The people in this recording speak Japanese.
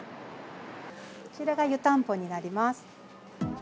こちらが湯たんぽになります。